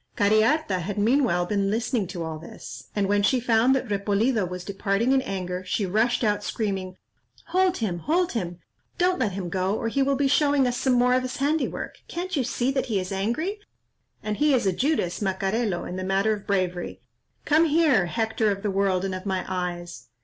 Cariharta had meanwhile been listening to all this, and when she found that Repolido was departing in anger, she rushed out, screaming, "Hold him, hold him,—don't let him go, or he will be showing us some more of his handiwork; can't you see that he is angry? and he is a Judas Macarelo in the matter of bravery. Come here, Hector of the world and of my eyes!"